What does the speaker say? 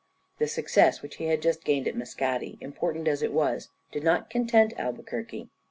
The success which he had just gained at Mascati, important as it was, did not content Albuquerque.